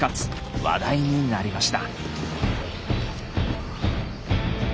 話題になりました。